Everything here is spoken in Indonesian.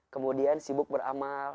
kemudian sibuk beramal